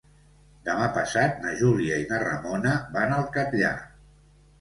Demà passat na Júlia i na Ramona van al Catllar.